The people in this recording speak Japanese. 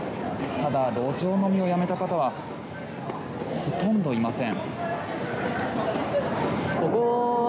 ただ、路上飲みをやめた方はほとんどいません。